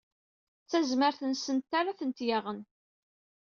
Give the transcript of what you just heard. D tazmert-nsent ara tent-yaɣen.